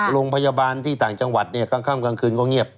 โรงพยาบาลที่ต่างจังหวัดกลางค่ำกลางคืนก็เงียบ